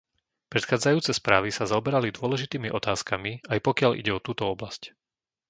Predchádzajúce správy sa zaoberali dôležitými otázkami, aj pokiaľ ide o túto oblasť.